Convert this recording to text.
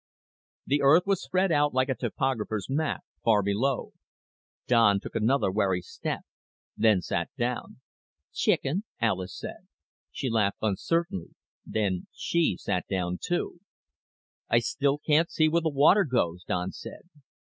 The Earth was spread out like a topographer's map, far below. Don took another wary step, then sat down. "Chicken," said Alis. She laughed uncertainly, then she sat down, too. "I still can't see where the water goes," Don said.